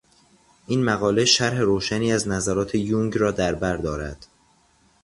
این مقاله شرح روشنی از نظریات یونگ را دربر دارد.